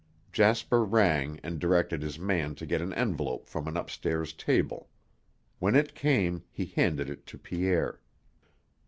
Jasper rang and directed his man to get an envelope from an upstairs table. When it came, he handed it to Pierre.